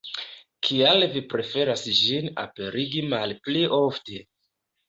Kial vi preferas ĝin aperigi malpli ofte?